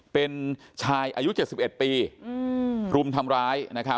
เป็นชายอายุ๗๑ปีรุมทำร้าย